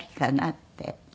って。